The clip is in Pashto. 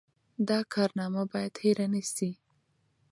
دا کارنامه باید هېره نه سي.